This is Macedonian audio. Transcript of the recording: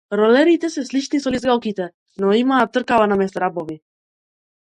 Ролерите се слични со лизгалките, но имаат тркала наместо рабови.